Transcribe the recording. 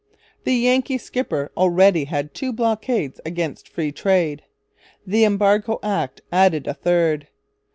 The Yankee skipper already had two blockades against 'Free Trade.' The Embargo Act added a third.